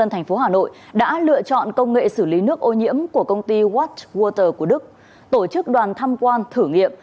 hà nội đã lựa chọn công nghệ xử lý nước ô nhiễm của công ty watchwater của đức tổ chức đoàn tham quan thử nghiệm